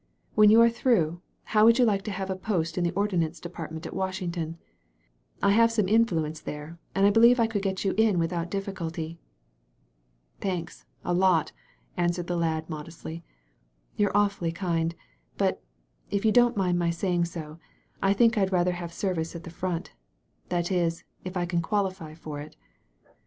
When you are through, how would you like to have a post in the Ordnance Depart ment at Washington? I have some influence there and believe I could get you in without difficulty." "Thanks, a lot," answered the lad modestly. You*re awfully kind. But, if you don't mind my saying so, I think I'd rather have service at the front — ^that is, if I can qualify for it."